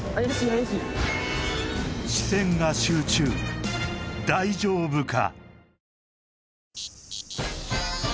あやしい視線が集中大丈夫か？